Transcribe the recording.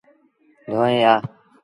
ڌوئي آ۔